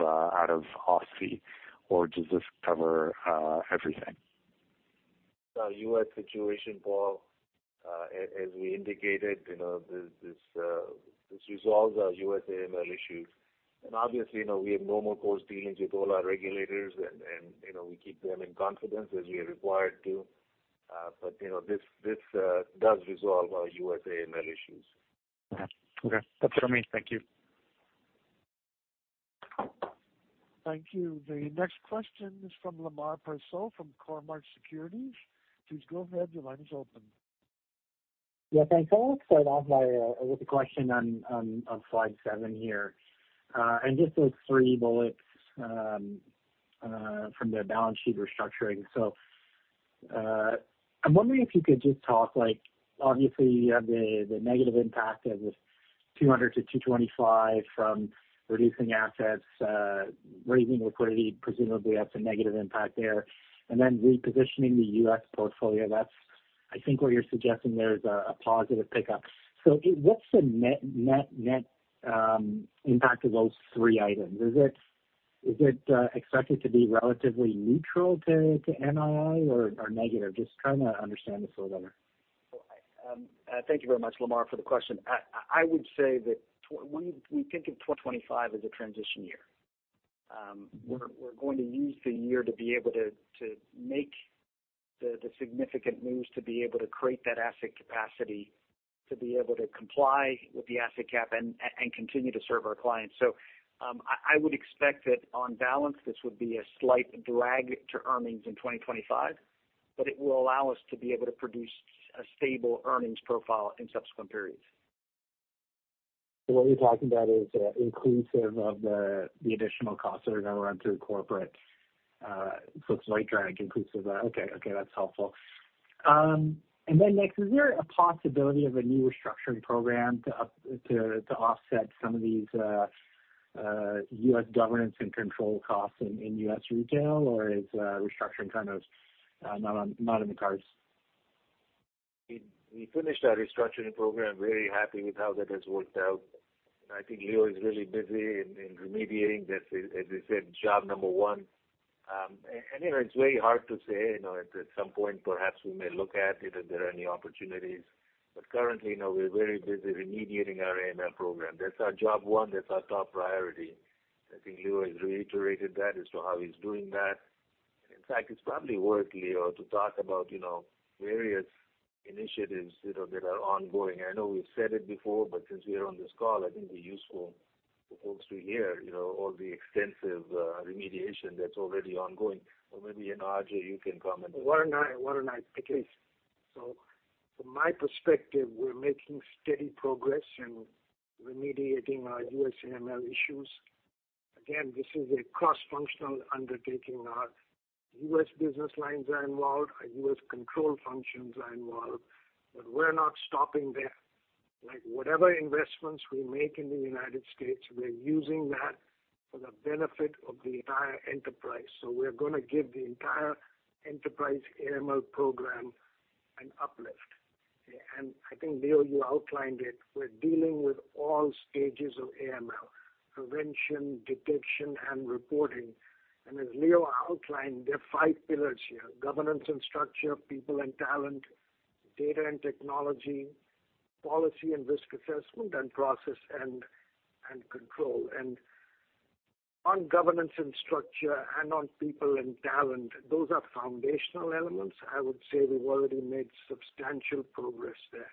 OSFI, or does this cover everything? The U.S. situation, Paul, as we indicated, you know, this resolves our U.S. AML issues. And obviously, you know, we have normal course dealings with all our regulators, and you know, we keep them in confidence as we are required to. But, you know, this does resolve our U.S. AML issues. Okay. Okay. That's what I mean. Thank you. Thank you. The next question is from Lemar Persaud from Cormark Securities. Please go ahead. Your line is open. Yeah, thanks. I'll start off by with a question on Slide 7 here. And just those three bullets from the balance sheet restructuring. So, I'm wondering if you could just talk like, obviously, you have the negative impact of this 200-225 from reducing assets, raising liquidity, presumably that's a negative impact there. And then repositioning the U.S. portfolio, that's I think what you're suggesting there is a positive pickup. So what's the net impact of those three items? Is it expected to be relatively neutral to NII or negative? Just trying to understand this a little better. Thank you very much, Lemar, for the question. I would say that when we think of 2025 as a transition year, we're going to use the year to be able to to make the significant moves to be able to create that asset capacity, to be able to comply with the asset cap and continue to serve our clients. So, I would expect that on balance, this would be a slight drag to earnings in 2025, but it will allow us to be able to produce a stable earnings profile in subsequent periods. So what you're talking about is inclusive of the additional costs that are going to run through corporate, so it's light drag inclusive. Okay, okay, that's helpful. And then next, is there a possibility of a new restructuring program to offset some of these U.S. governance and control costs in U.S. Retail? Or is restructuring kind of not in the cards? We finished our restructuring program, very happy with how that has worked out. I think Leo is really busy in remediating this, as he said, job number one, and you know, it's very hard to say, you know, at some point perhaps we may look at it if there are any opportunities, but currently, you know, we're very busy remediating our AML program. That's our job one, that's our top priority. I think Leo has reiterated that as to how he's doing that. In fact, it's probably worth, Leo, to talk about, you know, various initiatives, you know, that are ongoing. I know we've said it before, but since we are on this call, I think it'd be useful for folks to hear, you know, all the extensive remediation that's already ongoing, or maybe, you know, Ajai, you can comment. Why don't I, why don't I take it? From my perspective, we're making steady progress in remediating our U.S. AML issues. Again, this is a cross-functional undertaking. Our U.S. business lines are involved, our U.S. control functions are involved, but we're not stopping there. Like, whatever investments we make in the United States, we're using that for the benefit of the entire enterprise. We're going to give the entire enterprise AML program an uplift. I think, Leo, you outlined it. We're dealing with all stages of AML: prevention, detection, and reporting. As Leo outlined, there are five pillars here: governance and structure, people and talent, data and technology, policy and risk assessment, and process and control. On governance and structure and on people and talent, those are foundational elements. I would say we've already made substantial progress there.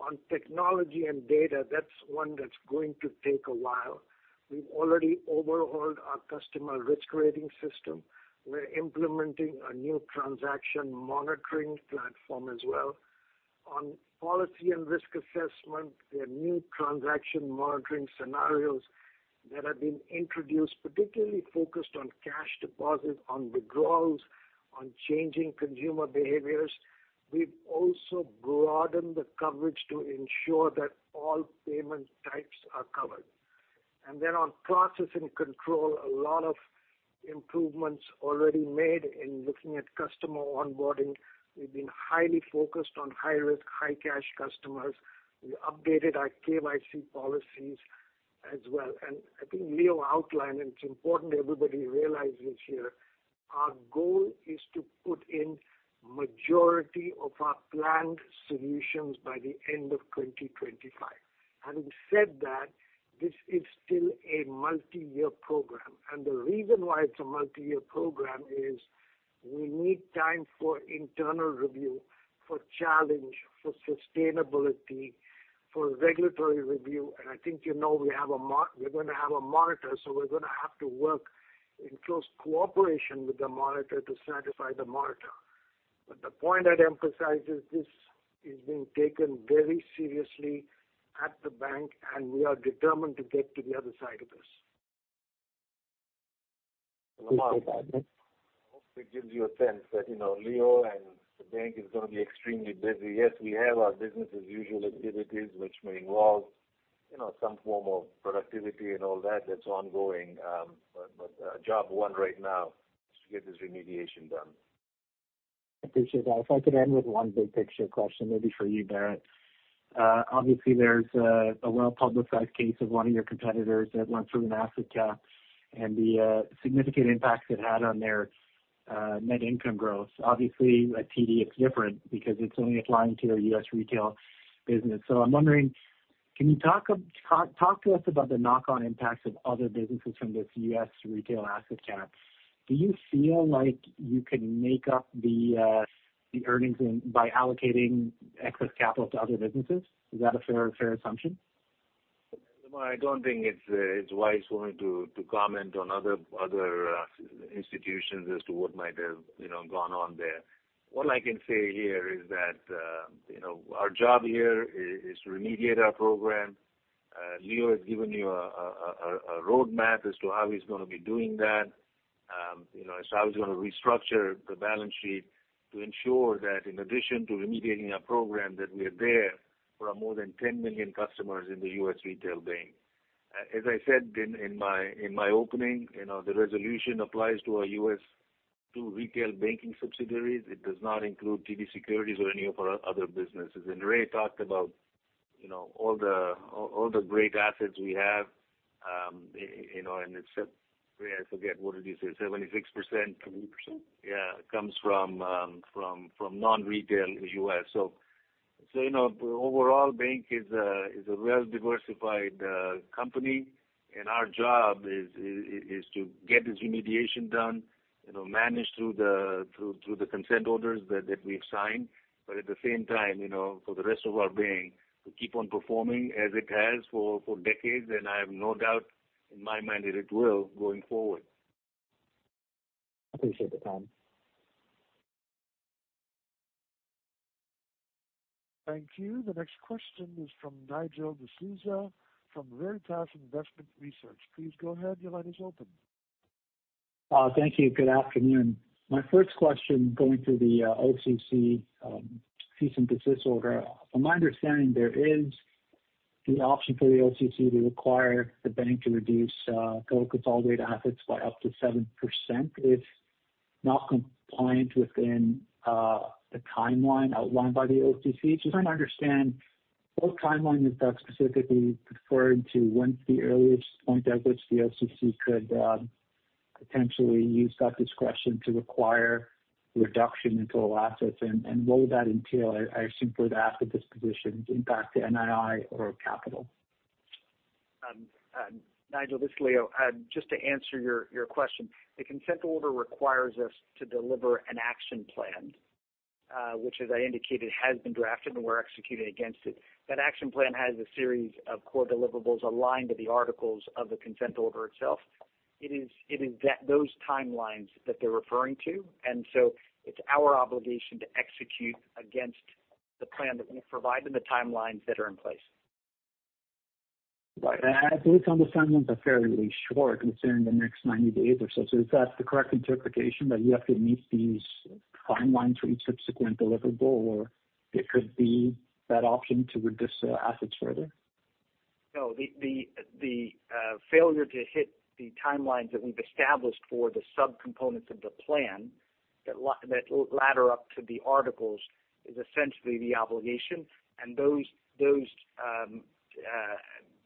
On technology and data, that's one that's going to take a while. We've already overhauled our customer risk rating system. We're implementing a new transaction monitoring platform as well. On policy and risk assessment, there are new transaction monitoring scenarios that have been introduced, particularly focused on cash deposits, on withdrawals, on changing consumer behaviors. We've also broadened the coverage to ensure that all payment types are covered. And then on process and control, a lot of improvements already made in looking at customer onboarding. We've been highly focused on high-risk, high-cash customers. We updated our KYC policies as well, and I think Leo outlined, and it's important everybody realizes here, our goal is to put in majority of our planned solutions by the end of twenty twenty-five. Having said that, this is still a multi-year program, and the reason why it's a multi-year program is we need time for internal review, for challenge, for sustainability, for regulatory review, and I think you know we're going to have a monitor, so we're going to have to work in close cooperation with the monitor to satisfy the monitor. But the point I'd emphasize is this is being taken very seriously at the bank, and we are determined to get to the other side of this. I hope it gives you a sense that, you know, Leo and the bank is going to be extremely busy. Yes, we have our business as usual activities, which may involve, you know, some form of productivity and all that, that's ongoing. But job one right now is to get this remediation done. Appreciate that. If I could end with one big picture question, maybe for you, Bharat. Obviously, there's a well-publicized case of one of your competitors that went through an asset cap, and the significant impact it had on their net income growth. Obviously, at TD, it's different because it's only applying to your U.S. retail business. So I'm wondering, can you talk to us about the knock-on impacts of other businesses from this U.S. retail asset cap? Do you feel like you can make up the earnings in by allocating excess capital to other businesses? Is that a fair assumption? I don't think it's wise for me to comment on other institutions as to what might have, you know, gone on there. What I can say here is that, you know, our job here is to remediate our program. Leo has given you a roadmap as to how he's going to be doing that, you know, as how he's going to restructure the balance sheet to ensure that in addition to remediating our program, that we are there for our more than 10 million customers in the U.S. Retail bank. As I said in my opening, you know, the resolution applies to our U.S. two retail banking subsidiaries. It does not include TD Securities or any of our other businesses. Ray talked about, you know, all the great assets we have. You know, and he said, Ray, I forget, what did you say 76%? 20%. Yeah, comes from non-retail U.S. So, you know, the overall bank is a well-diversified company, and our job is to get this remediation done, you know, manage through the consent orders that we've signed. But at the same time, you know, for the rest of our bank to keep on performing as it has for decades, and I have no doubt in my mind that it will going forward. Appreciate the time. Thank you. The next question is from Nigel D'Souza, from Veritas Investment Research. Please go ahead, your line is open. Thank you. Good afternoon. My first question going through the OCC cease and desist order. From my understanding, there is the option for the OCC to require the bank to reduce total consolidated assets by up to 7%, if not compliant within the timeline outlined by the OCC. Just trying to understand what timeline is that specifically referring to, when's the earliest point at which the OCC could potentially use that discretion to require reduction in total assets, and what would that entail? I assume for the asset disposition, impact the NII or capital. Nigel, this is Leo. Just to answer your question, the consent order requires us to deliver an action plan, which, as I indicated, has been drafted, and we're executing against it. That action plan has a series of core deliverables aligned to the articles of the consent order itself. It is those timelines that they're referring to, and so it's our obligation to execute against the plan that we provide them, the timelines that are in place. Right. And I believe some of the timelines are fairly short, within the next ninety days or so. So is that the correct interpretation, that you have to meet these timelines for each subsequent deliverable, or it could be that option to reduce assets further? No, the failure to hit the timelines that we've established for the subcomponents of the plan, that ladder up to the articles, is essentially the obligation, and those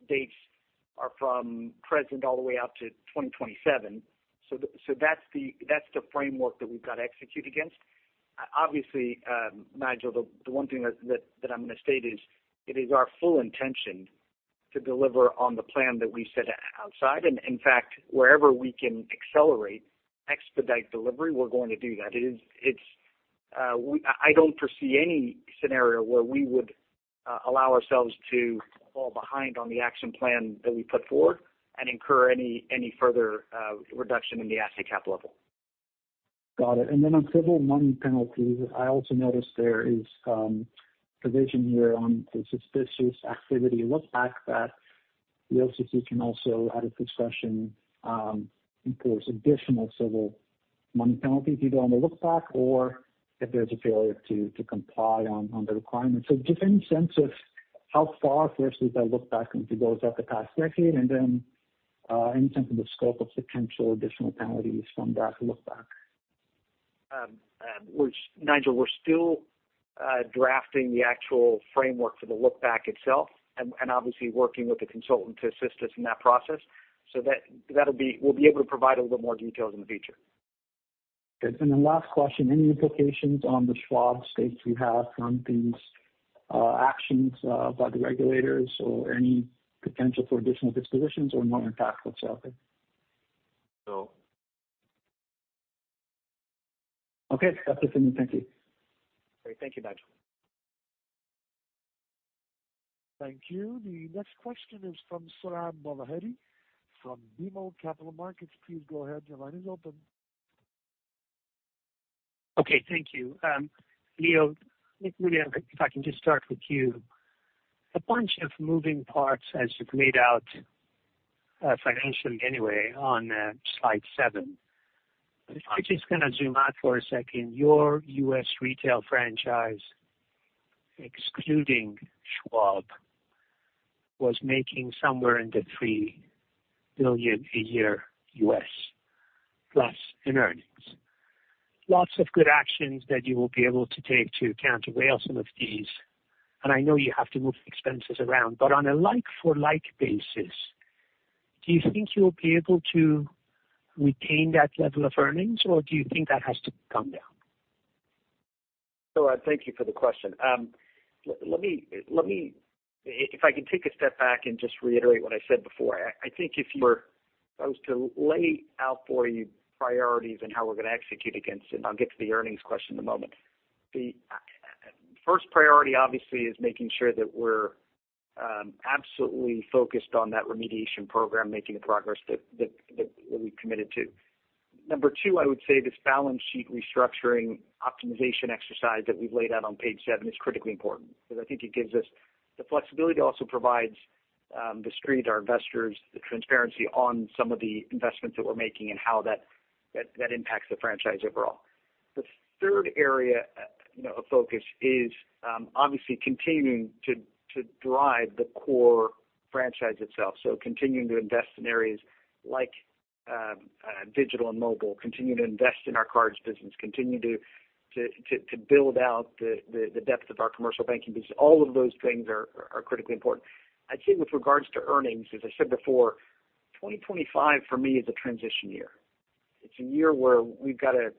dates are from present all the way out to twenty twenty-seven. That's the framework that we've got to execute against. Obviously, Nigel, the one thing that I'm going to state is it is our full intention to deliver on the plan that we set out earlier. In fact, wherever we can accelerate, expedite delivery, we're going to do that. It is. I don't foresee any scenario where we would allow ourselves to fall behind on the action plan that we put forward and incur any further reduction in the asset cap level. Got it. And then on civil money penalties, I also noticed there is a provision here on the suspicious activity. The fact that the OCC can also, at its discretion, impose additional civil money penalty, either on the look back or if there's a failure to comply with the requirements, so do you have any sense of how far back is that look back, if it goes back to the past decade, and then any sense of the scope of potential additional penalties from that look back? Nigel, we're still drafting the actual framework for the look back itself and obviously working with a consultant to assist us in that process. So, that'll be. We'll be able to provide a little more details in the future. Okay. And the last question, any implications on the Schwab stakes you have from these actions by the regulators, or any potential for additional dispositions or more impactful selling? So. Okay, that's it for me. Thank you. Great. Thank you, Nigel. Thank you. The next question is from Sohrab Movahedi from BMO Capital Markets. Please go ahead. Your line is open. Okay. Thank you. Leo, if maybe I can just start with you. A bunch of moving parts as you've laid out, financially anyway, on Slide 7. If I just kind of zoom out for a second, your U.S. retail franchise, excluding Schwab, was making somewhere in the $3 billion a year U.S., plus in earnings. Lots of good actions that you will be able to take to counterweight some of these, and I know you have to move expenses around, but on a like-for-like basis, do you think you'll be able to retain that level of earnings, or do you think that has to come down? Sohrab, thank you for the question. Let me. If I can take a step back and just reiterate what I said before, I think if I was to lay out for you priorities and how we're going to execute against it, and I'll get to the earnings question in a moment. The first priority, obviously, is making sure that we're absolutely focused on that remediation program, making the progress that we've committed to. Number two, I would say this balance sheet restructuring optimization exercise that we've laid out on page seven is critically important because I think it gives us the flexibility. It also provides the street, our investors, the transparency on some of the investments that we're making and how that impacts the franchise overall. The third area, you know, of focus is obviously continuing to drive the core franchise itself. So continuing to invest in areas like digital and mobile, continuing to invest in our cards business, continue to build out the depth of our commercial banking business. All of those things are critically important. I'd say with regards to earnings, as I said before, twenty twenty-five for me is a transition year. It's a year where we've got to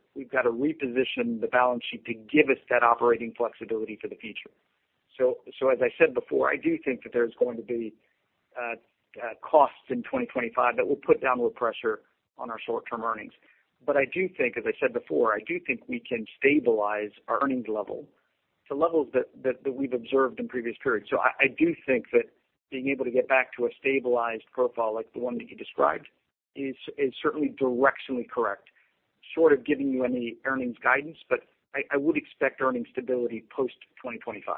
reposition the balance sheet to give us that operating flexibility for the future. So as I said before, I do think that there's going to be costs in twenty twenty-five that will put downward pressure on our short-term earnings. But I do think, as I said before, I do think we can stabilize our earnings level to levels that we've observed in previous periods. So I do think that being able to get back to a stabilized profile like the one that you described is certainly directionally correct. Short of giving you any earnings guidance, but I would expect earnings stability post 2025.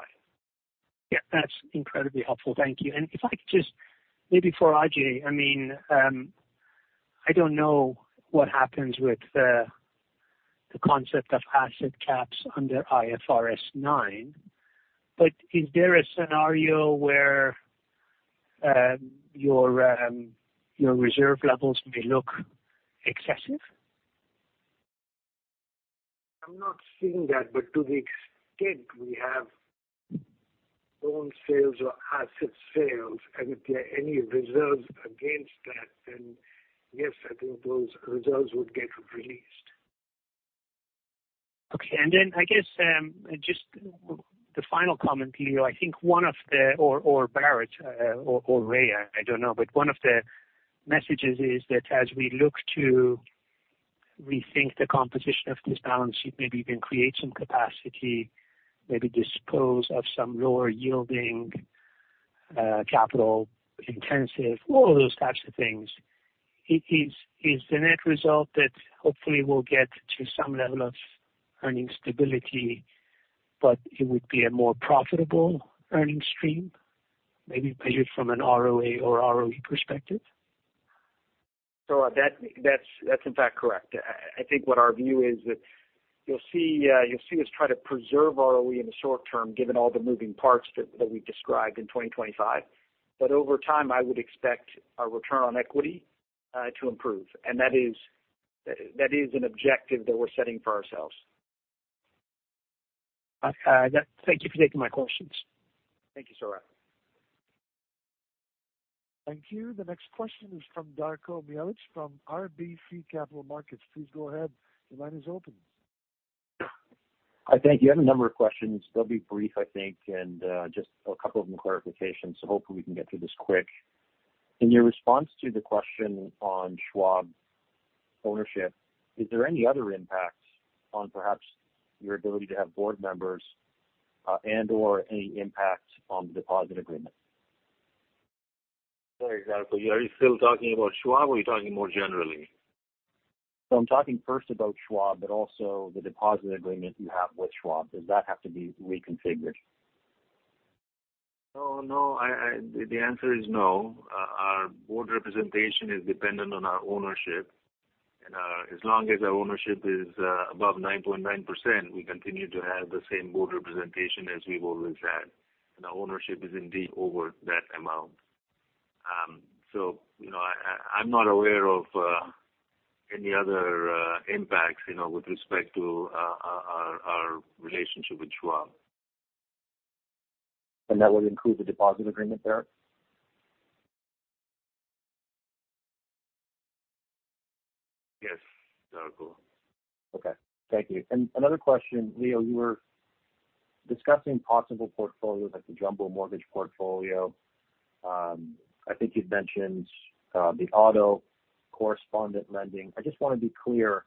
Yeah, that's incredibly helpful. Thank you. And if I could just maybe for Ajai, I mean, I don't know what happens with the concept of asset caps under IFRS 9, but is there a scenario where your reserve levels may look excessive? I'm not seeing that, but to the extent we have loan sales or asset sales, and if there are any reserves against that, then yes, I think those reserves would get released. Okay. And then I guess just the final comment, Leo, I think one of the, or Bharat, or Ray, I don't know, but one of the messages is that as we look to rethink the composition of this balance sheet, maybe even create some capacity, maybe dispose of some lower yielding capital intensive, all of those types of things, is the net result that hopefully we'll get to some level of earning stability, but it would be a more profitable earning stream, maybe measured from an ROA or ROE perspective? So that's in fact correct. I think what our view is that you'll see, you'll see us try to preserve ROE in the short term, given all the moving parts that we've described in 2025. But over time, I would expect our return on equity to improve, and that is an objective that we're setting for ourselves. Thank you for taking my questions. Thank you, Sohrab. Thank you. The next question is from Darko Mihelic from RBC Capital Markets. Please go ahead. The line is open. Hi. Thank you. I have a number of questions. They'll be brief, I think, and, just a couple of them are clarifications, so hopefully we can get through this quick. In your response to the question on Schwab ownership, is there any other impact on perhaps your ability to have board members, and/or any impact on the deposit agreement? Sorry, Darko, are you still talking about Schwab, or are you talking more generally? I'm talking first about Schwab, but also the deposit agreement you have with Schwab. Does that have to be reconfigured? Oh, no, the answer is no. Our board representation is dependent on our ownership, and as long as our ownership is above 9.9%, we continue to have the same board representation as we've always had, and our ownership is indeed over that amount. So, you know, I'm not aware of any other impacts, you know, with respect to our relationship with Schwab. That would include the deposit agreement there? Yes, Darko. Okay. Thank you, and another question, Leo. You were discussing possible portfolios, like the jumbo mortgage portfolio. I think you'd mentioned the auto correspondent lending. I just want to be clear,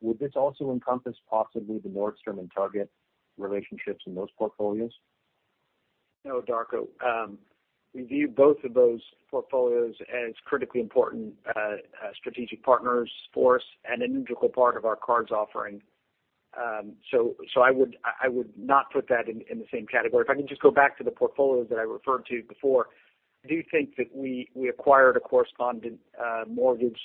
would this also encompass possibly the Nordstrom and Target relationships in those portfolios? No, Darko. We view both of those portfolios as critically important, strategic partners for us and an integral part of our cards offering, so I would not put that in the same category. If I can just go back to the portfolios that I referred to before, I do think that we acquired a correspondent mortgage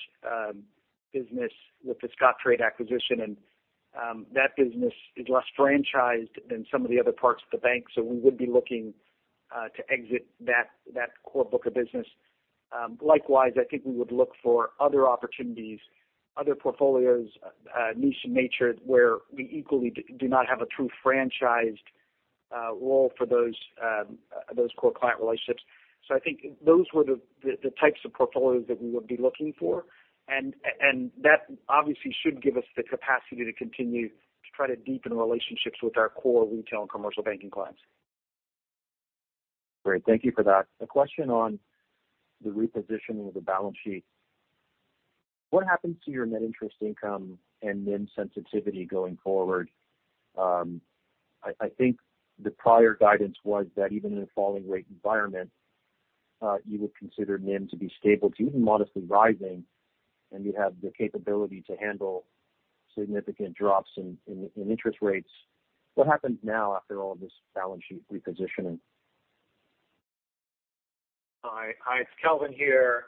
business with the Scottrade acquisition, and that business is less franchised than some of the other parts of the bank, so we would be looking to exit that core book of business. Likewise, I think we would look for other opportunities, other portfolios, niche in nature, where we equally do not have a true franchised role for those core client relationships. So I think those were the types of portfolios that we would be looking for. And that obviously should give us the capacity to continue to try to deepen relationships with our core retail and commercial banking clients. Great. Thank you for that. A question on the repositioning of the balance sheet. What happens to your net interest income and NIM sensitivity going forward? I think the prior guidance was that even in a falling rate environment, you would consider NIM to be stable to even modestly rising, and you'd have the capability to handle significant drops in interest rates. What happens now after all this balance sheet repositioning? Hi, hi, it's Kelvin here.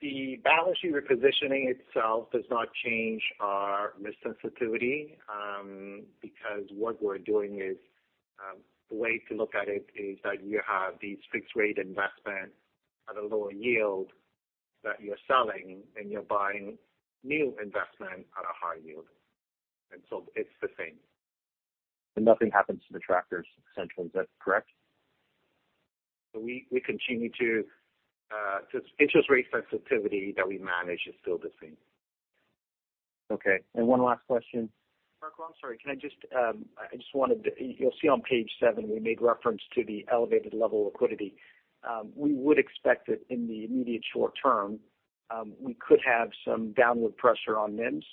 The balance sheet repositioning itself does not change our risk sensitivity, because what we're doing is, the way to look at it is that you have these fixed rate investments at a lower yield that you're selling, and you're buying new investment at a higher yield, and so it's the same. And nothing happens to the tracker, essentially. Is that correct? We continue to show interest rate sensitivity that we manage is still the same. Okay, and one last question. Darko, I'm sorry, can I just, I just wanted to -- you'll see on page seven, we made reference to the elevated level of liquidity. We would expect that in the immediate short term, we could have some downward pressure on NIMS,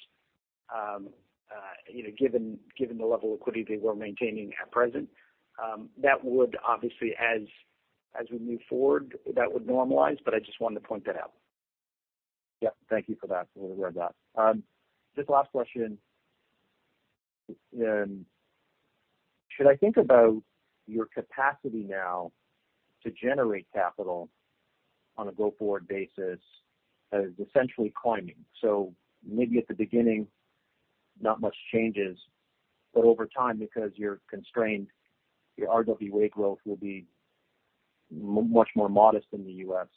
you know, given the level of liquidity we're maintaining at present. That would obviously as we move forward, that would normalize, but I just wanted to point that out. Yeah. Thank you for that. Just last question. Should I think about your capacity now to generate capital on a go-forward basis as essentially climbing? So maybe at the beginning, not much changes, but over time, because you're constrained, your RWA growth will be much more modest than the US.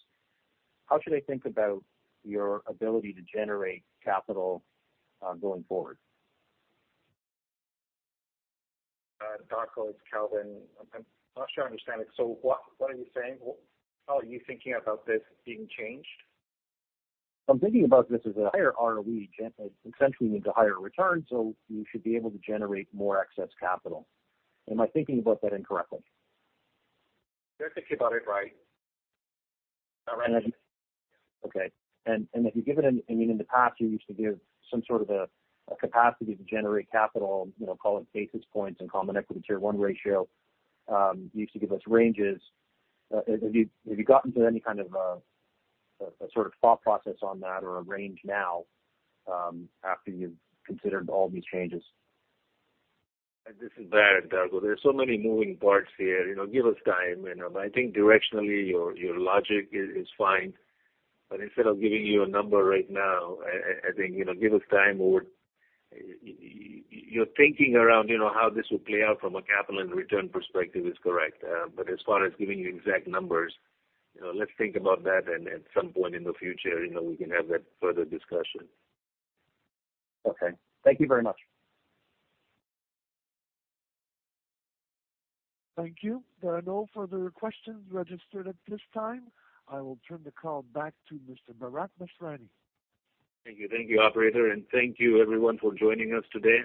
How should I think about your ability to generate capital, going forward? Darko, it's Kelvin. I'm not sure I understand it. So what are you saying? How are you thinking about this being changed? I'm thinking about this as a higher ROE, essentially means a higher return, so you should be able to generate more excess capital. Am I thinking about that incorrectly? You're thinking about it right. Okay. And if you give it an... I mean, in the past, you used to give some sort of a capacity to generate capital, you know, call it basis points and Common Equity Tier 1 ratio. You used to give us ranges. Have you gotten to any kind of a sort of thought process on that or a range now, after you've considered all these changes? This is Bharat, Darko. There are so many moving parts here, you know, give us time. You know, I think directionally, your logic is fine, but instead of giving you a number right now, I think, you know, give us time. Your thinking around, you know, how this will play out from a capital and return perspective is correct. But as far as giving you exact numbers, you know, let's think about that, and at some point in the future, you know, we can have that further discussion. Okay. Thank you very much. Thank you. There are no further questions registered at this time. I will turn the call back to Mr. Bharat Masrani. Thank you. Thank you, operator, and thank you everyone for joining us today.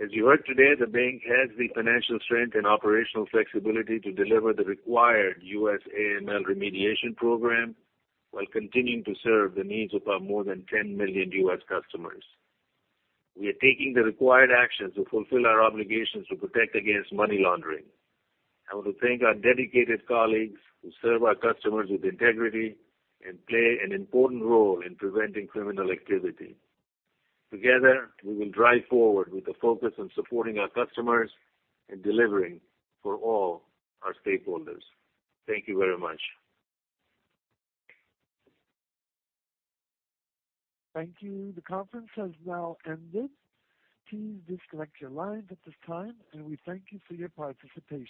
As you heard today, the bank has the financial strength and operational flexibility to deliver the required U.S. AML remediation program while continuing to serve the needs of our more than 10 million U.S. customers. We are taking the required actions to fulfill our obligations to protect against money laundering. I want to thank our dedicated colleagues who serve our customers with integrity and play an important role in preventing criminal activity. Together, we will drive forward with a focus on supporting our customers and delivering for all our stakeholders. Thank you very much. Thank you. The conference has now ended. Please disconnect your lines at this time, and we thank you for your participation.